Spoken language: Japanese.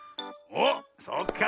おっそうか。